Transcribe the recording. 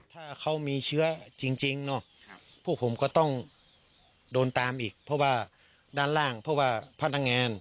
ถ้าเขามีเชื้อจริงพวกผมก็ต้องโดนตามอีกเพราะว่าด้านล่างเพราะว่าพนักงาน